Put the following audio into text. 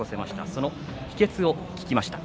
その秘けつを聞きました。